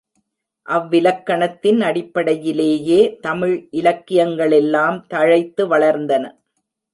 அவ்விலக்கணத்தின் அடிப்படையிலேயே தமிழ் இலக்கியங்களெல்லாம் தழைத்து வளர்ந்தன.